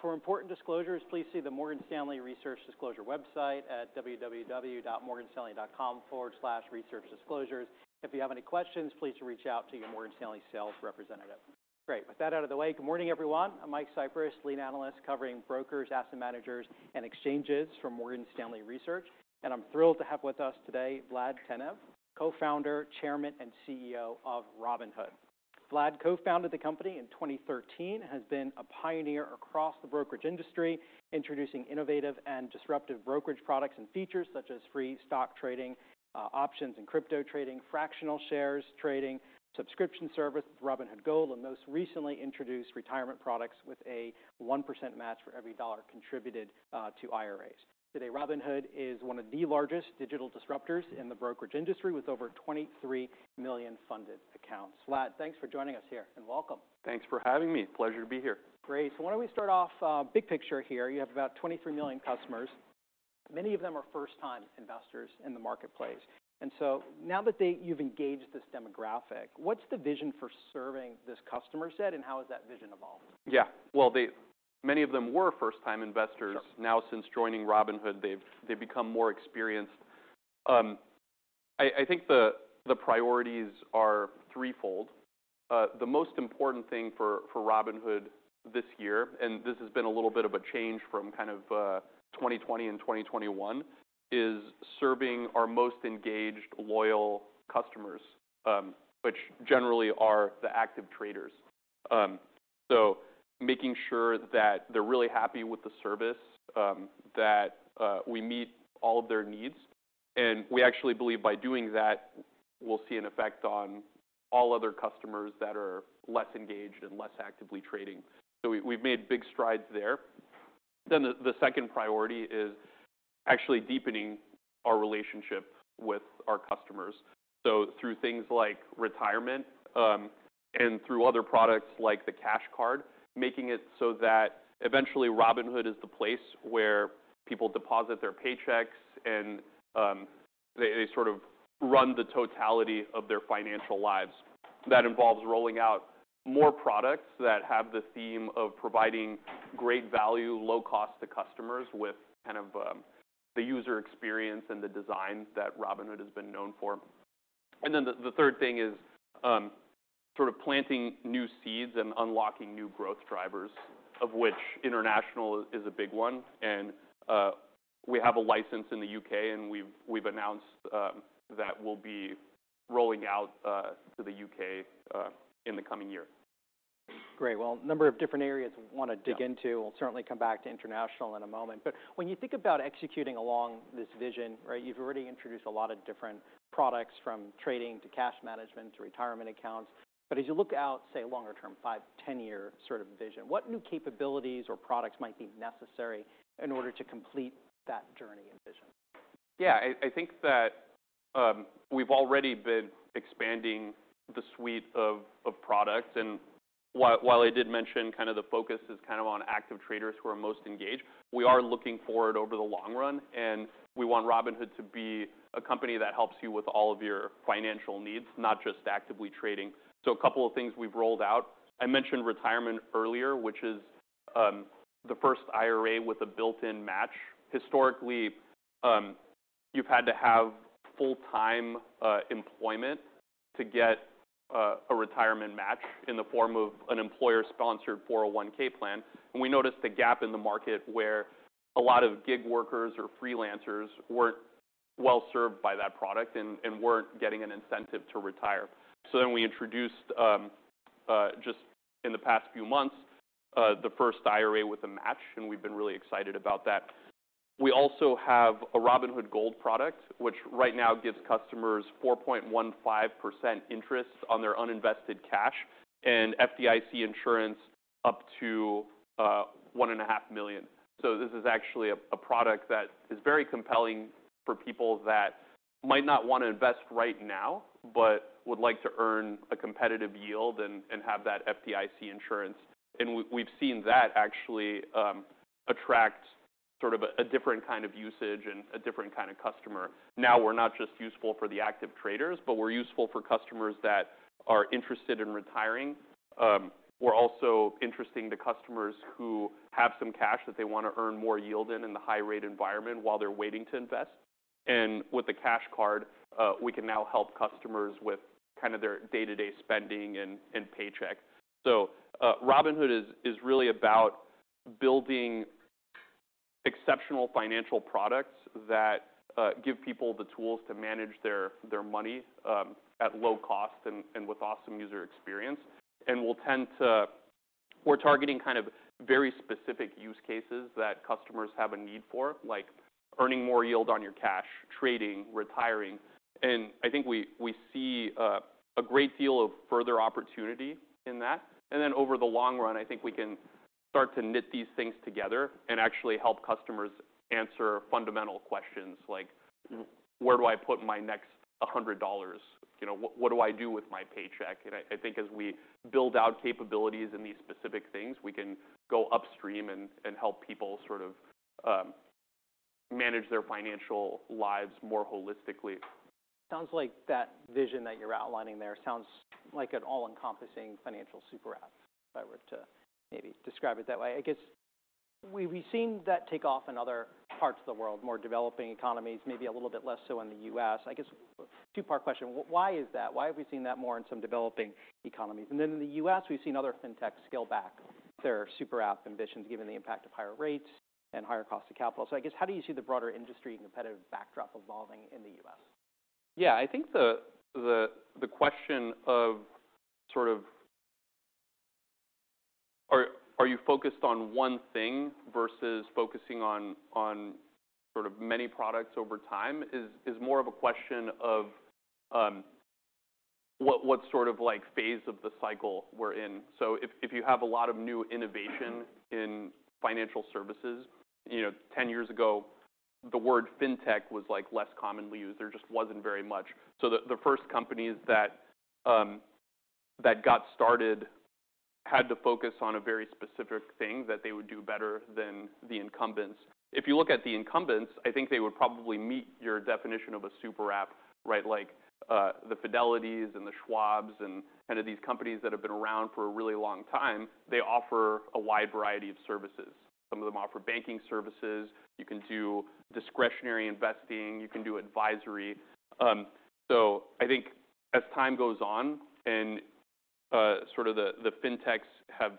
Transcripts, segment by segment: For important disclosures, please see the Morgan Stanley Research Disclosure website at www.morganstanley.com/researchdisclosures. If you have any questions, please reach out to your Morgan Stanley sales representative. Great. With that out of the way, good morning, everyone. I'm Michael Cyprys, lead analyst covering brokers, asset managers, and exchanges for Morgan Stanley Research. I'm thrilled to have with us today Vlad Tenev, Co-Founder, Chairman, and CEO of Robinhood. Vlad co-founded the company in 2013, has been a pioneer across the brokerage industry, introducing innovative and disruptive brokerage products and features such as free stock trading, options and crypto trading, fractional shares trading, subscription service with Robinhood Gold, and most recently introduced retirement products with a 1% match for every dollar contributed to IRAs. Today, Robinhood is one of the largest digital disruptors in the brokerage industry with over 23 million funded accounts. Vlad, thanks for joining us here, and welcome. Thanks for having me. Pleasure to be here. Great. Why don't we start off big picture here. You have about 23 million customers. Many of them are first-time investors in the marketplace. Now that you've engaged this demographic, what's the vision for serving this customer set, and how has that vision evolved? Yeah. Well, many of them were first-time investors. Sure. Now, since joining Robinhood, they've become more experienced. I think the priorities are threefold. The most important thing for Robinhood this year, and this has been a little bit of a change from kind of 2020 and 2021, is serving our most engaged loyal customers, which generally are the active traders. So making sure that they're really happy with the service, that we meet all of their needs. We actually believe by doing that, we'll see an effect on all other customers that are less engaged and less actively trading. We've made big strides there. The second priority is actually deepening our relationship with our customers. Through things like retirement, and through other products like the Cash Card, making it so that eventually Robinhood is the place where people deposit their paychecks, and they sort of run the totality of their financial lives. That involves rolling out more products that have the theme of providing great value, low cost to customers with kind of, the user experience and the design that Robinhood has been known for. The third thing is, sort of planting new seeds and unlocking new growth drivers, of which international is a big one. We have a license in the U.K., and we've announced that we'll be rolling out to the U.K. in the coming year. Great. Well, a number of different areas we wanna dig into. Yeah. We'll certainly come back to international in a moment. When you think about executing along this vision, right? You've already introduced a lot of different products from trading to cash management to retirement accounts. As you look out, say, longer-term, five-10-year sort of vision, what new capabilities or products might be necessary in order to complete that journey and vision? Yeah. I think that, we've already been expanding the suite of products. While I did mention kind of the focus is kind of on active traders who are most engaged, we are looking forward over the long run, and we want Robinhood to be a company that helps you with all of your financial needs, not just actively trading. A couple of things we've rolled out. I mentioned retirement earlier, which is the first IRA with a built-in match. Historically, you've had to have full-time employment to get a retirement match in the form of an employer-sponsored 401(k) plan. We noticed a gap in the market where a lot of gig workers or freelancers weren't well-served by that product and weren't getting an incentive to retire. We introduced just in the past few months the first IRA with a match, and we've been really excited about that. We also have a Robinhood Gold product, which right now gives customers 4.15% interest on their uninvested cash and FDIC insurance up to 1.5 million. This is actually a product that is very compelling for people that might not wanna invest right now but would like to earn a competitive yield and have that FDIC insurance. We've seen that actually attract sort of a different kind of usage and a different kind of customer. We're not just useful for the active traders, but we're useful for customers that are interested in retiring. We're also interesting to customers who have some cash that they wanna earn more yield in the high-rate environment while they're waiting to invest. With the Cash Card, we can now help customers with kind of their day-to-day spending and paycheck. Robinhood is really about building exceptional financial products that give people the tools to manage their money at low cost and with awesome user experience. We're targeting kind of very specific use cases that customers have a need for, like earning more yield on your cash, trading, retiring. I think we see a great deal of further opportunity in that. Over the long run, I think we can start to knit these things together and actually help customers answer fundamental questions like, "Where do I put my next $100?" You know, "What do I do with my paycheck?" I think as we build out capabilities in these specific things, we can go upstream and help people sort of manage their financial lives more holistically. Sounds like that vision that you're outlining there sounds like an all-encompassing financial super app, if I were to maybe describe it that way. I guess we've seen that take off in other parts of the world, more developing economies, maybe a little bit less so in the U.S. I guess two-part question, why is that? Why have we seen that more in some developing economies? In the U.S., we've seen other fintech scale back their super app ambitions given the impact of higher rates and higher cost of capital. I guess how do you see the broader industry and competitive backdrop evolving in the U.S.? Yeah. I think the question of sort of are you focused on one thing versus focusing on sort of many products over time is more of a question of what sort of like phase of the cycle we're in. If you have a lot of new innovation in financial services, you know, 10 years ago, the word fintech was like less commonly used. There just wasn't very much. The first companies that got started had to focus on a very specific thing that they would do better than the incumbents. If you look at the incumbents, I think they would probably meet your definition of a super app, right? Like the Fidelities and the Schwabs and kind of these companies that have been around for a really long time, they offer a wide variety of services. Some of them offer banking services, you can do discretionary investing, you can do advisory. I think as time goes on and sort of the fintechs have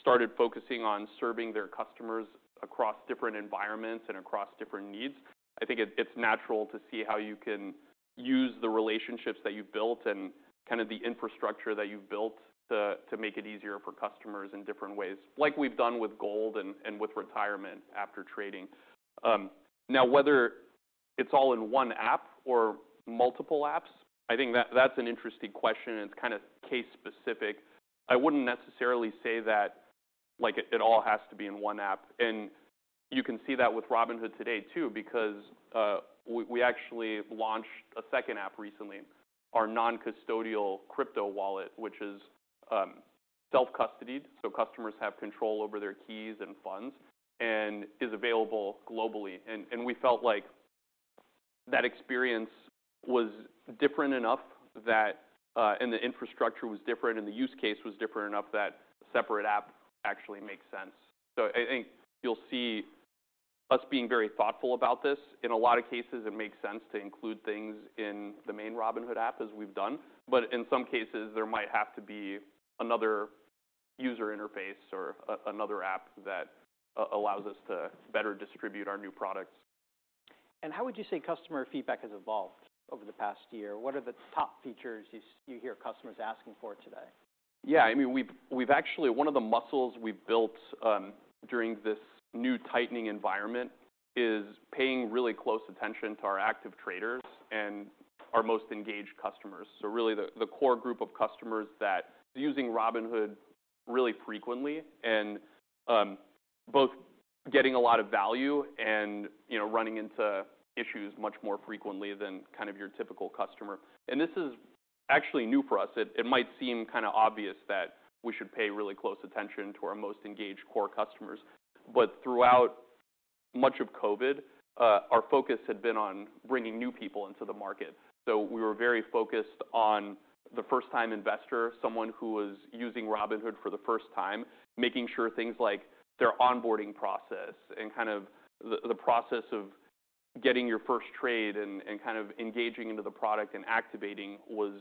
started focusing on serving their customers across different environments and across different needs, I think it's natural to see how you can use the relationships that you've built and kind of the infrastructure that you've built to make it easier for customers in different ways, like we've done with Gold and with retirement after trading. Whether it's all in one app or multiple apps, I think that's an interesting question, and it's kinda case specific. I wouldn't necessarily say that like it all has to be in one app. You can see that with Robinhood today too, because we actually launched a second app recently, our non-custodial crypto wallet, which is self-custodied, so customers have control over their keys and funds, and is available globally. We felt like that experience was different enough that, and the infrastructure was different and the use case was different enough that separate app actually makes sense. I think you'll see us being very thoughtful about this. In a lot of cases, it makes sense to include things in the main Robinhood app as we've done, but in some cases, there might have to be another user interface or another app that allows us to better distribute our new products. How would you say customer feedback has evolved over the past year? What are the top features you hear customers asking for today? Yeah, I mean, we've actually One of the muscles we've built during this new tightening environment is paying really close attention to our active traders and our most engaged customers. Really the core group of customers that using Robinhood really frequently and both getting a lot of value and, you know, running into issues much more frequently than kind of your typical customer. This is actually new for us. It might seem kinda obvious that we should pay really close attention to our most engaged core customers, but throughout much of COVID, our focus had been on bringing new people into the market. We were very focused on the first-time investor, someone who was using Robinhood for the first time, making sure things like their onboarding process and kind of the process of getting your first trade and kind of engaging into the product and activating was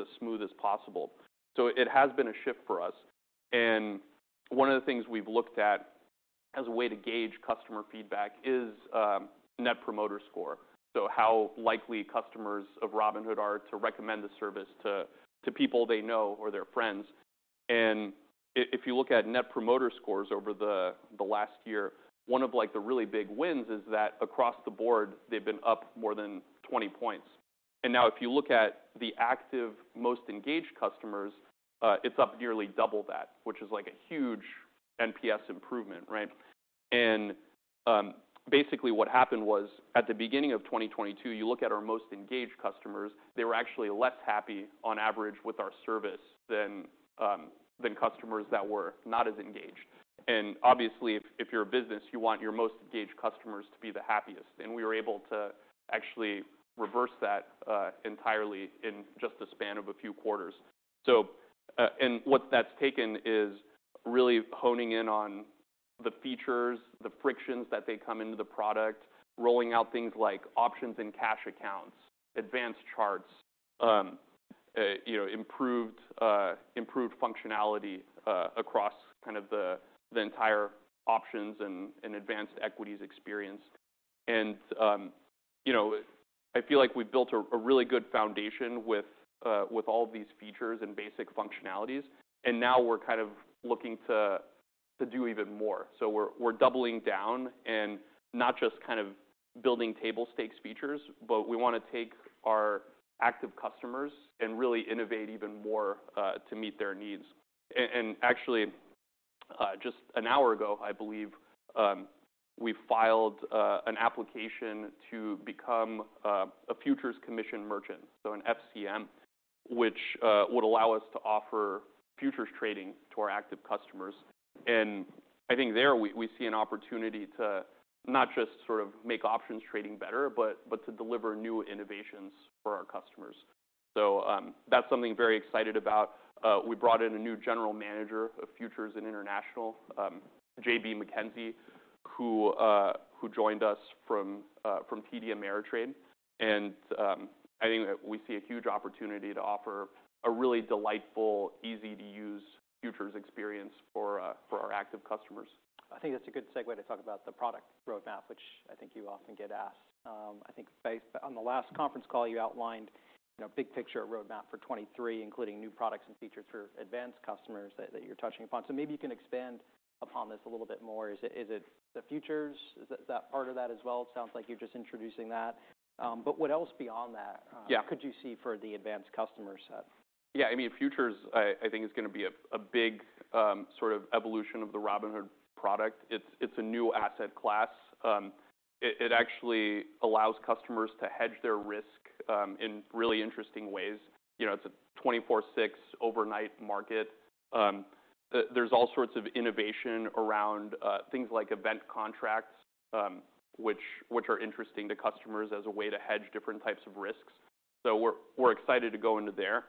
as smooth as possible. It has been a shift for us, and one of the things we've looked at as a way to gauge customer feedback is Net Promoter Score. How likely customers of Robinhood are to recommend the service to people they know or their friends. If you look at Net Promoter Scores over the last year, one of like the really big wins is that across the board, they've been up more than 20 points. Now if you look at the active most engaged customers, it's up nearly double that, which is like a huge NPS improvement, right? Basically what happened was at the beginning of 2022, you look at our most engaged customers, they were actually less happy on average with our service than customers that were not as engaged. Obviously if you're a business, you want your most engaged customers to be the happiest, and we were able to actually reverse that entirely in just the span of a few quarters. What that's taken is really honing in on the features, the frictions that they come into the product, rolling out things like options and cash accounts, advanced charts, you know, improved functionality across kind of the entire options and advanced equities experience. You know, I feel like we've built a really good foundation with all these features and basic functionalities. Now we're kind of looking to do even more. We're doubling down and not just kind of building table stakes features, but we wanna take our active customers and really innovate even more to meet their needs. Actually, just an hour ago, I believe, we filed an application to become a futures commission merchant, so an FCM, which would allow us to offer futures trading to our active customers. I think there we see an opportunity to not just sort of make options trading better, but to deliver new innovations for our customers. That's something very excited about. We brought in a new general manager of Futures and International, J.B. MacKenzie, who joined us from TD Ameritrade. I think that we see a huge opportunity to offer a really delightful, easy-to-use futures experience for our active customers. I think that's a good segue to talk about the product roadmap, which I think you often get asked. I think based on the last conference call, you outlined, you know, big picture roadmap for 2023, including new products and features for advanced customers that you're touching upon. Maybe you can expand upon this a little bit more. Is it the futures? Is that part of that as well? It sounds like you're just introducing that. What else beyond that... Yeah... could you see for the advanced customer set? Yeah, I mean, futures I think is gonna be a big sort of evolution of the Robinhood product. It's a new asset class. It actually allows customers to hedge their risk in really interesting ways. You know, it's a 24/6 overnight market. There's all sorts of innovation around things like event contracts, which are interesting to customers as a way to hedge different types of risks. We're excited to go into there.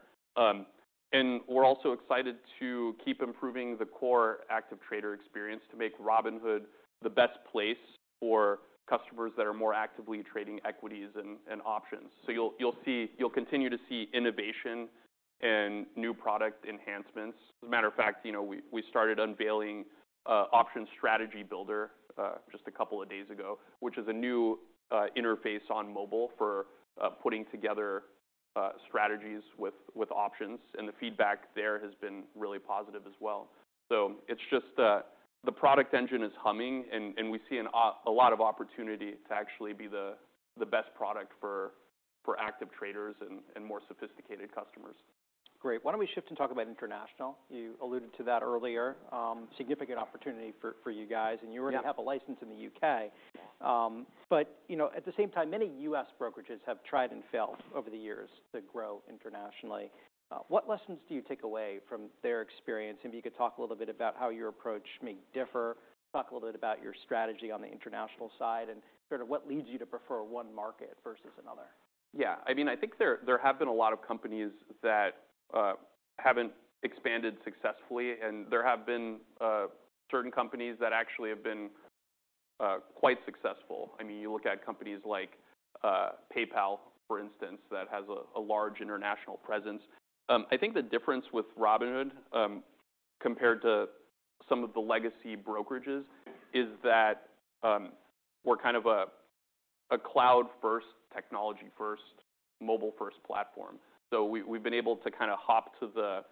We're also excited to keep improving the core active trader experience to make Robinhood the best place for customers that are more actively trading equities and options. You'll see innovation and new product enhancements. As a matter of fact, you know, we started unveiling option strategy builder just a couple of days ago, which is a new interface on mobile for putting together strategies with options, and the feedback there has been really positive as well. It's just the product engine is humming and we see a lot of opportunity to actually be the best product for active traders and more sophisticated customers. Great. Why don't we shift and talk about international? You alluded to that earlier. Significant opportunity for you guys. Yeah. You already have a license in the U.K. You know, at the same time, many U.S. brokerages have tried and failed over the years to grow internationally. What lessons do you take away from their experience? Maybe you could talk a little bit about how your approach may differ. Talk a little bit about your strategy on the international side and sort of what leads you to prefer one market versus another. Yeah, I mean, I think there have been a lot of companies that haven't expanded successfully, and there have been certain companies that actually have been quite successful. I mean, you look at companies like PayPal, for instance, that has a large international presence. I think the difference with Robinhood compared to some of the legacy brokerages is that we're kind of a cloud first, technology first, mobile first platform. We, we've been able to kinda hop to the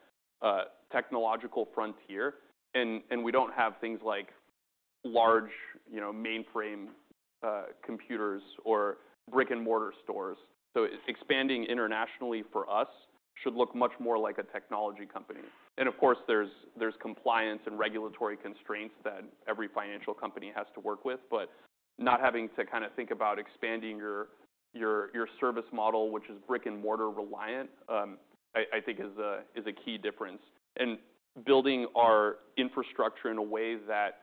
technological frontier and we don't have things like large, you know, mainframe computers or brick-and-mortar stores. Expanding internationally for us should look much more like a technology company. Of course, there's compliance and regulatory constraints that every financial company has to work with. Not having to kinda think about expanding your service model, which is brick and mortar reliant, I think is a key difference. Building our infrastructure in a way that,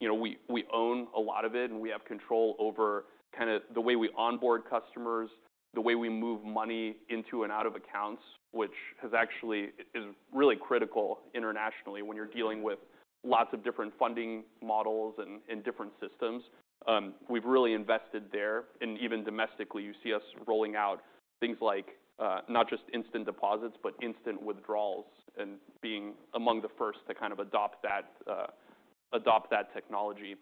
you know, we own a lot of it, and we have control over kinda the way we onboard customers, the way we move money into and out of accounts, which has actually is really critical internationally when you're dealing with lots of different funding models and different systems. We've really invested there. Even domestically, you see us rolling out things like not just instant deposits, but instant withdrawals, and being among the first to kind of adopt that adopt that technology.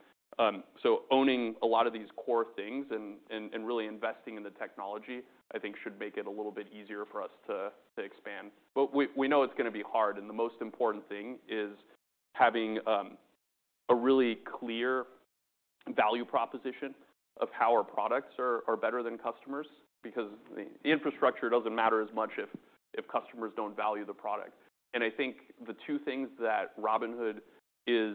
Owning a lot of these core things and really investing in the technology, I think should make it a little bit easier for us to expand. We know it's gonna be hard, and the most important thing is having a really clear value proposition of how our products are better than customers because the infrastructure doesn't matter as much if customers don't value the product. I think the two things that Robinhood is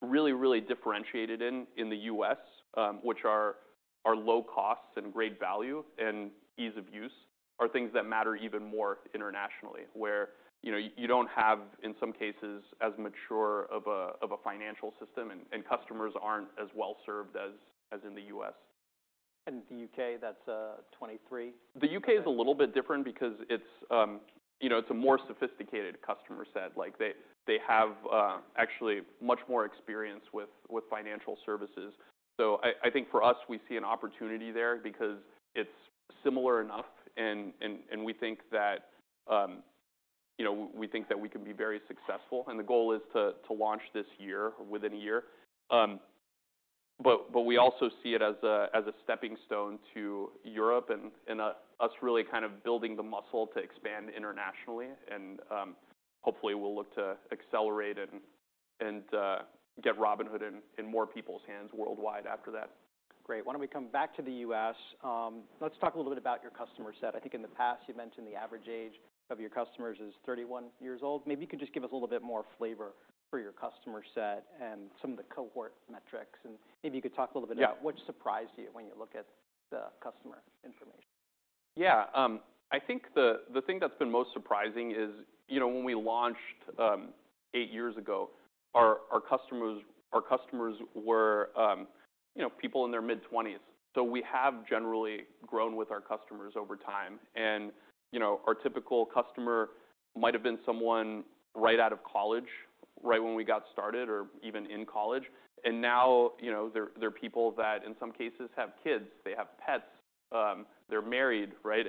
really differentiated in the US, which are low costs and great value and ease of use, are things that matter even more internationally, where, you know, you don't have, in some cases, as mature of a financial system and customers aren't as well-served as in the US. The UK, that's 2023. The UK is a little bit different because it's, you know, it's a more sophisticated customer set. Like, they have actually much more experience with financial services. I think for us, we see an opportunity there because it's similar enough and we think that, you know, we think that we can be very successful. The goal is to launch this year, within a year. We also see it as a stepping stone to Europe and us really kind of building the muscle to expand internationally. Hopefully we'll look to accelerate and get Robinhood in more people's hands worldwide after that. Great. Why don't we come back to the U.S.? Let's talk a little bit about your customer set. I think in the past you mentioned the average age of your customers is 31 years old. Maybe you could just give us a little bit more flavor for your customer set and some of the cohort metrics. Maybe you could talk a little bit about- Yeah... what surprised you when you look at the customer information. Yeah. I think the thing that's been most surprising is, you know, when we launched eight years ago, our customers were, you know, people in their mid-twenties. We have generally grown with our customers over time. You know, our typical customer might have been someone right out of college, right when we got started or even in college. Now, you know, they're people that in some cases have kids, they have pets, they're married, right?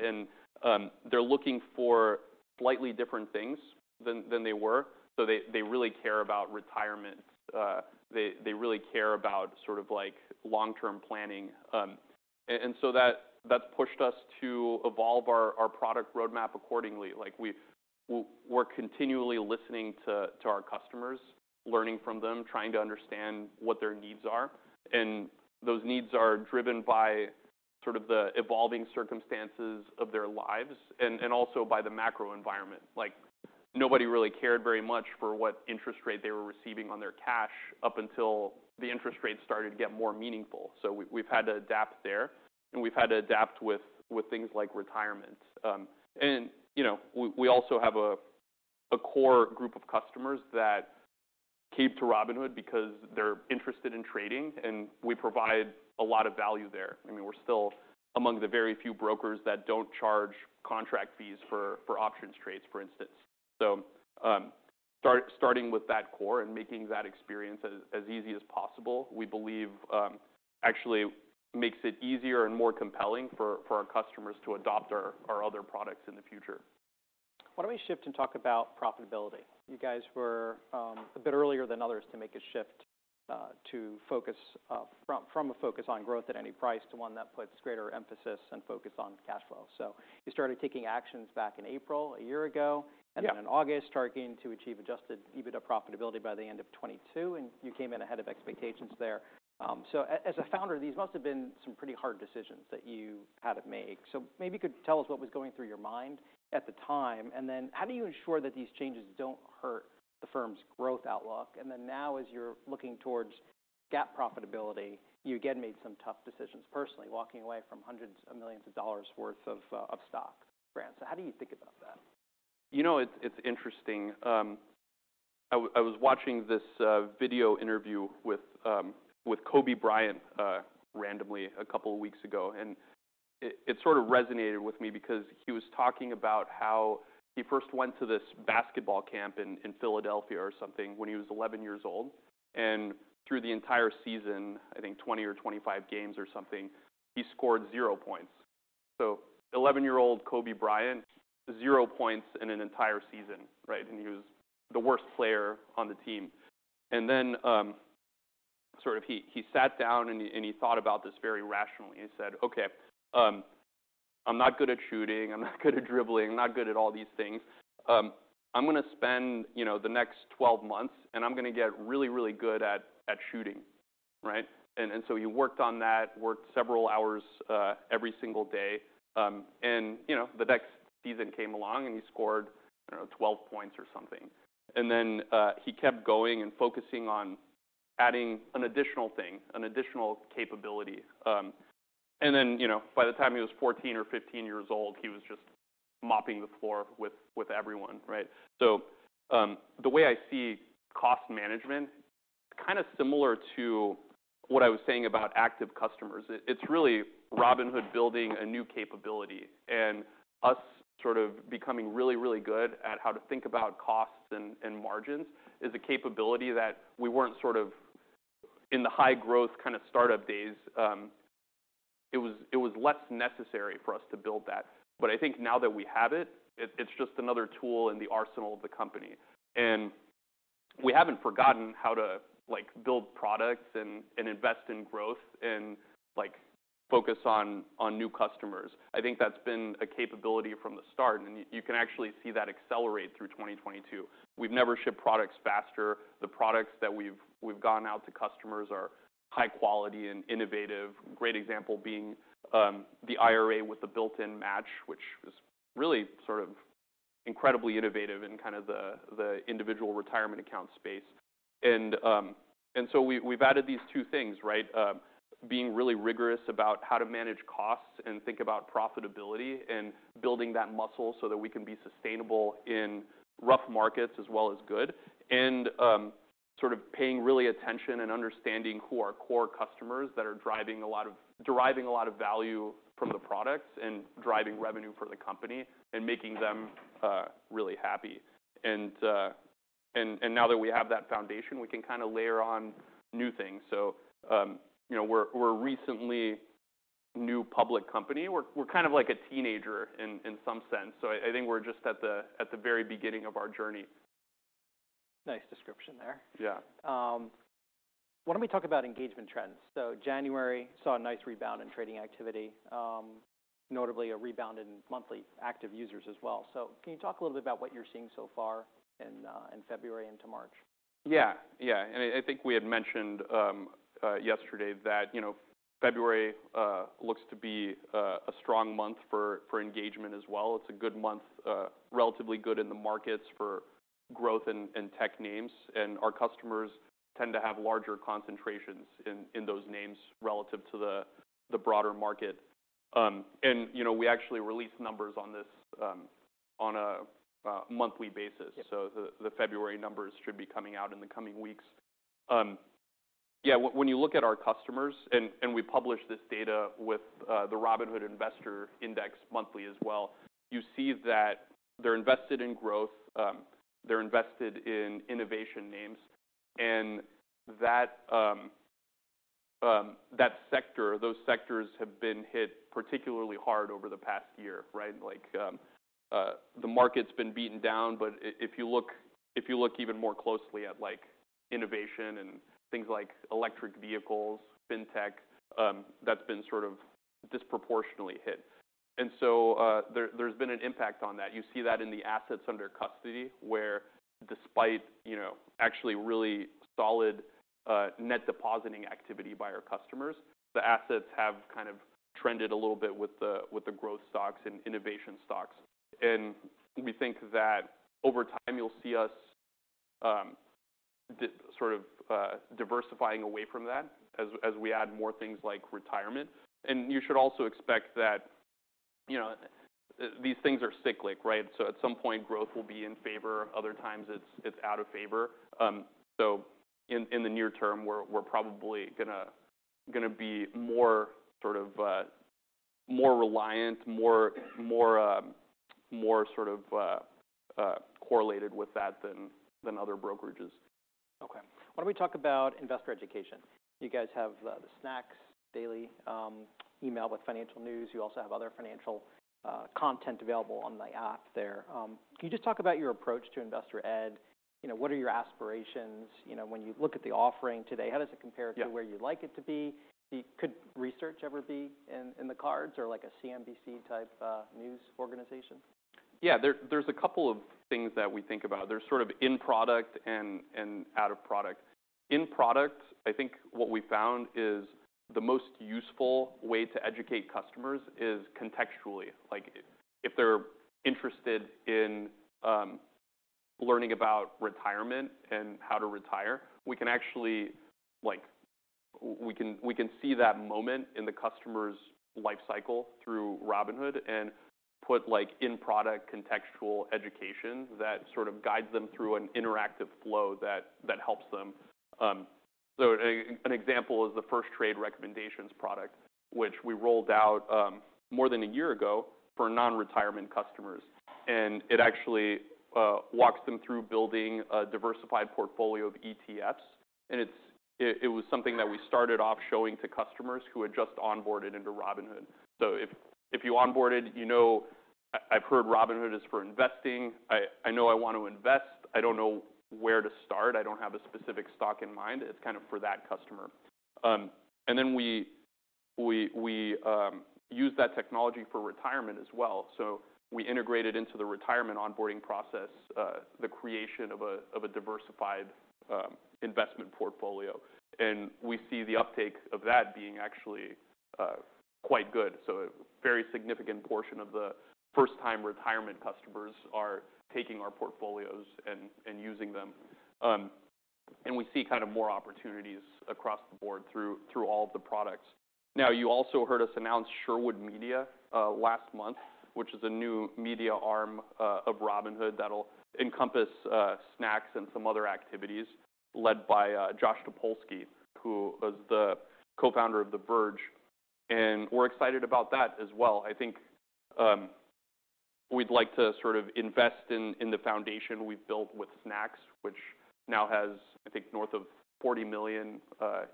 They're looking for slightly different things than they were. They really care about retirement. They really care about sort of like long-term planning. That's pushed us to evolve our product roadmap accordingly. Like we're continually listening to our customers, learning from them, trying to understand what their needs are. Those needs are driven by sort of the evolving circumstances of their lives and also by the macro environment. Like, nobody really cared very much for what interest rate they were receiving on their cash up until the interest rates started to get more meaningful. We've had to adapt there, and we've had to adapt with things like retirement. You know, we also have a core group of customers that keep to Robinhood because they're interested in trading, and we provide a lot of value there. I mean, we're still among the very few brokers that don't charge contract fees for options trades, for instance. Starting with that core and making that experience as easy as possible, we believe, actually makes it easier and more compelling for our customers to adopt our other products in the future. Why don't we shift and talk about profitability? You guys were a bit earlier than others to make a shift to focus from a focus on growth at any price to one that puts greater emphasis and focus on cash flow. You started taking actions back in April a year ago. Yeah. In August, targeting to achieve Adjusted EBITDA profitability by the end of 2022, and you came in ahead of expectations there. As a founder, these must have been some pretty hard decisions that you had to make. Maybe you could tell us what was going through your mind at the time. How do you ensure that these changes don't hurt the firm's growth outlook? Now as you're looking towards GAAP profitability, you again made some tough decisions personally, walking away from hundreds of millions of dollars worth of stock grants. How do you think about that? You know, it's interesting. I was watching this video interview with Kobe Bryant randomly a couple of weeks ago, and it sort of resonated with me because he was talking about how he first went to this basketball camp in Philadelphia or something when he was 11 years old. Through the entire season, I think 20 or 25 games or something, he scored 0 points. 11-year-old Kobe Bryant, 0 points in an entire season, right? He was the worst player on the team. Then sort of he sat down and he thought about this very rationally and said, "Okay, I'm not good at shooting, I'm not good at dribbling, I'm not good at all these things. I'm gonna spend, you know, the next 12 months, and I'm gonna get really, really good at shooting." Right? He worked on that, worked several hours, every single day. You know, the next season came along, and he scored, you know, 12 points or something. He kept going and focusing on adding an additional thing, an additional capability. You know, by the time he was 14 or 15 years old, he was just mopping the floor with everyone, right? The way I see cost management, kinda similar to what I was saying about active customers, it's really Robinhood building a new capability. Us sort of becoming really, really good at how to think about costs and margins is a capability that we weren't sort of in the high growth kind of startup days. It was, it was less necessary for us to build that. I think now that we have it's just another tool in the arsenal of the company. We haven't forgotten how to, like, build products and invest in growth and, like, focus on new customers. I think that's been a capability from the start, and you can actually see that accelerate through 2022. We've never shipped products faster. The products that we've gotten out to customers are high quality and innovative. Great example being, the IRA with the built-in match, which was really sort of incredibly innovative in kind of the individual retirement account space. We've added these two things, right? Being really rigorous about how to manage costs and think about profitability and building that muscle so that we can be sustainable in rough markets as well as good. Sort of paying really attention and understanding who our core customers that are deriving a lot of value from the products and driving revenue for the company and making them really happy. Now that we have that foundation, we can kinda layer on new things. You know, we're a recently new public company. We're kind of like a teenager in some sense. I think we're just at the very beginning of our journey. Nice description there. Yeah. Why don't we talk about engagement trends? January saw a nice rebound in trading activity, notably a rebound in monthly active users as well. Can you talk a little bit about what you're seeing so far in February into March? Yeah. Yeah. I think we had mentioned yesterday that, you know, February looks to be a strong month for engagement as well. It's a good month, relatively good in the markets for growth and tech names, and our customers tend to have larger concentrations in those names relative to the broader market. You know, we actually release numbers on this on a monthly basis. Yeah. The February numbers should be coming out in the coming weeks. Yeah, when you look at our customers, and we publish this data with the Robinhood Investor Index monthly as well, you see that they're invested in growth, they're invested in innovation names, and that sector or those sectors have been hit particularly hard over the past year, right? Like the market's been beaten down, but if you look even more closely at like innovation and things like electric vehicles, fintech, that's been sort of disproportionately hit. There's been an impact on that. You see that in the assets under custody where despite, you know, actually really solid net depositing activity by our customers, the assets have kind of trended a little bit with the growth stocks and innovation stocks. We think that over time you'll see us sort of diversifying away from that as we add more things like retirement. You should also expect that, you know, these things are cyclic, right. At some point, growth will be in favor, other times it's out of favor. In the near term, we're probably gonna be more sort of more reliant, more sort of correlated with that than other brokerages. Okay. Why don't we talk about investor education. You guys have the Snacks daily email with financial news. You also have other financial content available on the app there. Can you just talk about your approach to investor ed? You know, what are your aspirations, you know, when you look at the offering today, how does it compare... Yeah... to where you'd like it to be? Could research ever be in the cards or like a CNBC type news organization? Yeah. There's a couple of things that we think about. They're sort of in product and out of product. In product, I think what we found is the most useful way to educate customers is contextually. Like if they're interested in learning about retirement and how to retire, we can actually, like, we can see that moment in the customer's life cycle through Robinhood and put like in product contextual education that sort of guides them through an interactive flow that helps them. So an example is the first trade recommendations product, which we rolled out more than a year ago for non-retirement customers, and it actually walks them through building a diversified portfolio of ETFs. It was something that we started off showing to customers who had just onboarded into Robinhood. If you onboarded, you know, I've heard Robinhood is for investing. I know I want to invest, I don't know where to start. I don't have a specific stock in mind. It's kind of for that customer. And then we use that technology for retirement as well. We integrated into the retirement onboarding process, the creation of a diversified investment portfolio, and we see the uptake of that being actually quite good. A very significant portion of the first time retirement customers are taking our portfolios and using them. And we see kind of more opportunities across the board through all of the products. You also heard us announce Sherwood Media, last month, which is a new media arm of Robinhood that'll encompass Snacks and some other activities led by Josh Topolsky, who was the co-founder of The Verge, and we're excited about that as well. I think, we'd like to sort of invest in the foundation we've built with Snacks, which now has I think north of 40 million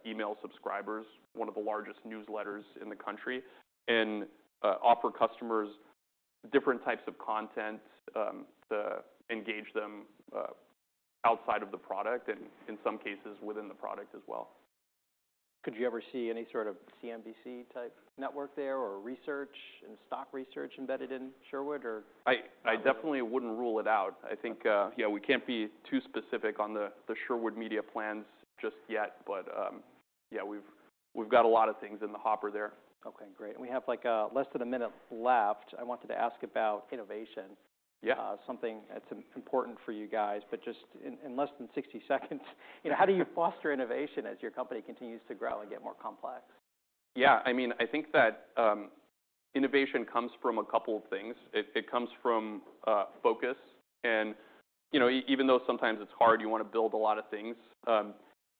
email subscribers, one of the largest newsletters in the country, and offer customers different types of content to engage them outside of the product and in some cases within the product as well. Could you ever see any sort of CNBC type network there or research and stock research embedded in Sherwood? I definitely wouldn't rule it out. I think, yeah, we can't be too specific on the Sherwood Media plans just yet, but, yeah, we've got a lot of things in the hopper there. Okay, great. We have like less than a minute left. I wanted to ask about innovation. Yeah. something that's important for you guys, but just in less than 60 seconds you know, how do you foster innovation as your company continues to grow and get more complex? Yeah, I mean, I think that innovation comes from a couple of things. It comes from focus and, you know, even though sometimes it's hard, you wanna build a lot of things,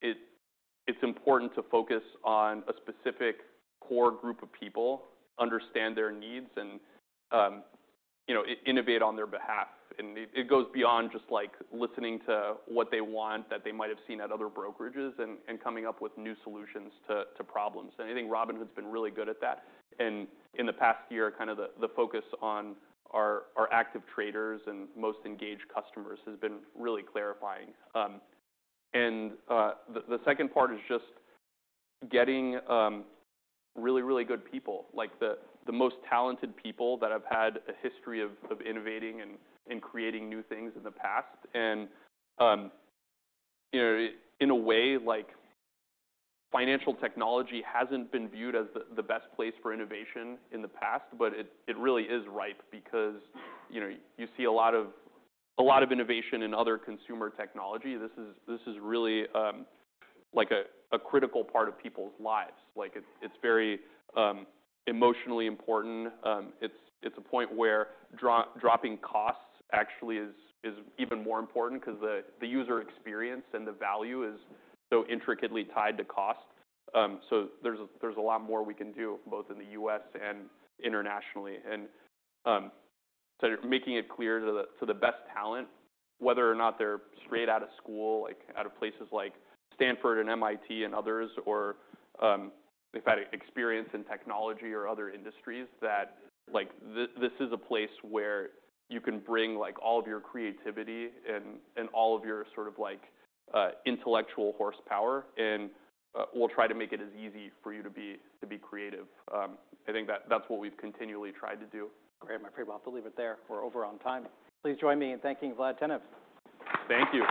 it's important to focus on a specific core group of people, understand their needs, and, you know, innovate on their behalf. It goes beyond just like listening to what they want that they might have seen at other brokerages and coming up with new solutions to problems. I think Robinhood's been really good at that. In the past year, kind of the focus on our active traders and most engaged customers has been really clarifying. The second part is just getting really, really good people, like the most talented people that have had a history of innovating and creating new things in the past. You know, in a way, like financial technology hasn't been viewed as the best place for innovation in the past, but it really is ripe because, you know, you see a lot of innovation in other consumer technology. This is really like a critical part of people's lives. It's very emotionally important. It's a point where dropping costs actually is even more important 'cause the user experience and the value is so intricately tied to cost. There's a lot more we can do both in the U.S. and internationally. Making it clear to the best talent, whether or not they're straight out of school, like out of places like Stanford and MIT and others, or they've had experience in technology or other industries that, like, this is a place where you can bring like all of your creativity and all of your sort of like intellectual horsepower and we'll try to make it as easy for you to be creative. I think that that's what we've continually tried to do. Great. I'm afraid we'll have to leave it there. We're over on time. Please join me in thanking Vlad Tenev. Thank you.